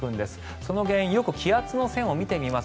その原因、よく気圧の線を見てみます